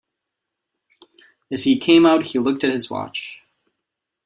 As he came out he looked at his watch.